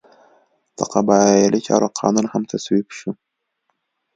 د قبایلي چارو قانون هم تصویب شو.